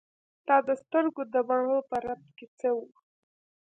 ستا د سترګو د بڼو په رپ کې څه وو.